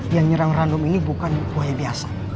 yang nyerang random ini bukan buaya biasa